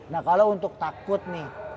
nah kalau untuk takut nih